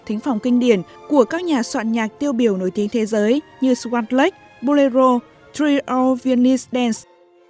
thính phòng kinh điển của các nhà soạn nhạc tiêu biểu nổi tiếng thế giới như swat lake bolero trio venice dance